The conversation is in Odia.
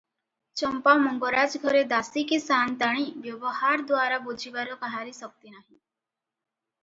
ଚମ୍ପା ମଙ୍ଗରାଜ ଘରେ ଦାସୀ କି ସାଆନ୍ତାଣୀ, ବ୍ୟବହାରଦ୍ୱାରା ବୁଝିବାର କାହାରି ଶକ୍ତି ନାହିଁ ।